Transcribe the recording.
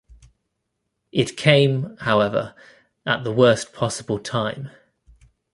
It came, however, at the worst possible time.